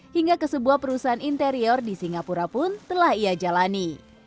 hingga ke sebuah perusahaan interior di singapura pun telah ia jalani